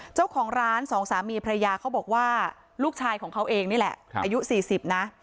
เจ้าของร้านสองสามีพระยาเขาบอกว่าลูกชายของเขาเองนี่แหละอายุ๔๐นะ